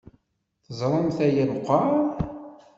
Teẓramt aya meqqar?